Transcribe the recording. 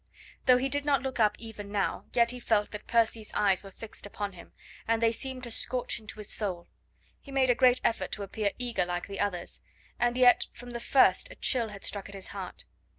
Though he did not look up even now, yet he felt that Percy's eyes were fixed upon him, and they seemed to scorch into his soul. He made a great effort to appear eager like the others, and yet from the first a chill had struck at his heart.